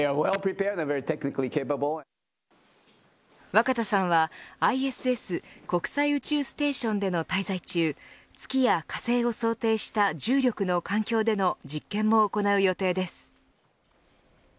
若田さんはＩＳＳ国際宇宙ステーションでの滞在中月や火星を想定した重力の環境での実験も行う予定です。